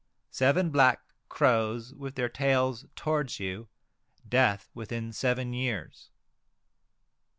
Seven black crows with their tails towards you, death within seven years.